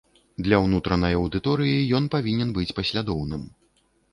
Для ўнутранай аўдыторыі ён павінен быць паслядоўным.